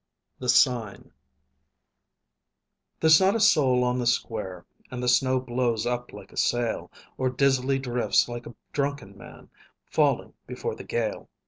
THE SIGN There's not a soul on the square, And the snow blows up like a sail, Or dizzily drifts like a drunken man Falling, before the gale.